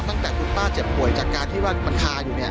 ตั้งแต่คุณป้าเจ็บป่วยจากการที่ว่ามันคาอยู่เนี่ย